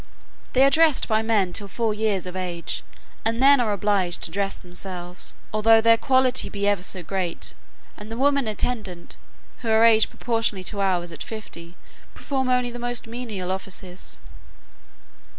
They are dressed by men till four years of age, and then are obliged to dress themselves, although their quality be ever so great; and the women attendant, who are aged proportionably to ours at fifty, perform only the most menial offices.